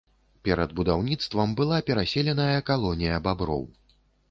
Перад будаўніцтвам была пераселеная калонія баброў.